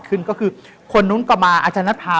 ก็คือคนนู้นก็มาอาจารย์นัทพา